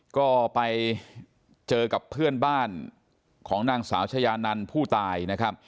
ก็ไปเจอกับเพื่อนบ้านของนางสาวชะยานันท์ผู้ตาย